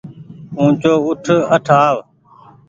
اُوچو اُٺ اٺ آو